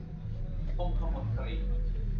องคมนตรี